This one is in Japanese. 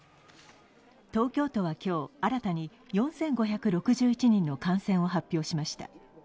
東京都は今日、新たに４５６１人の感染を発表しました。